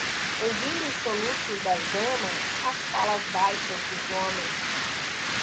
ouvindo os soluços das damas, as falas baixas dos homens